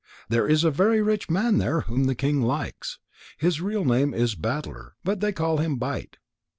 There is a very rich man there whom the king likes. His real name is Battler, but they call him Bite.